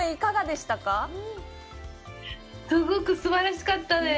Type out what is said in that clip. すごくすばらしかったです。